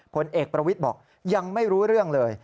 ผลเอกประวิทย์บอกยังไม่รู้เรื่องเลย